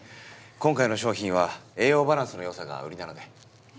今回の商品は栄養バランスの良さが売りなので。